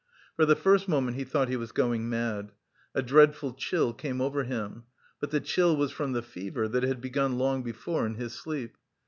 For the first moment he thought he was going mad. A dreadful chill came over him; but the chill was from the fever that had begun long before in his sleep.